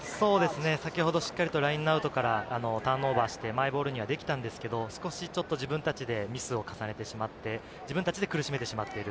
先ほど、しっかりラインアウトからターンオーバーして、マイボールにできたんですけれども、少し自分たちでミスを重ねてしまって、自分たちで苦しめてしまっている。